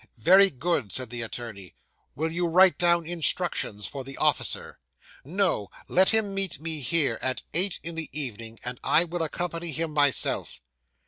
'"Very good," said the attorney. "Will you write down instructions for the officer?" '"No; let him meet me here, at eight in the evening, and I will accompany him myself."